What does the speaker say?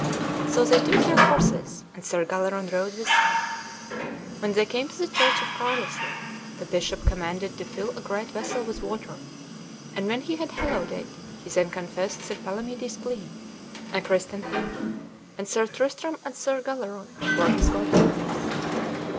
So they took their horses, and Sir Galleron rode with them. When they came to the church of Carlisle, the bishop commanded to fill a great vessel with water; and when he had hallowed it, he then confessed Sir Palamedes clean, and christened him, and Sir Tristram and Sir Galleron were his godfathers.